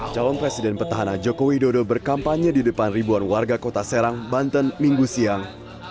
calon presiden petahana joko widodo berkampanye di depan ribuan warga kota serang banten minggu siang